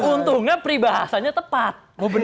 untungnya pribahasanya tepat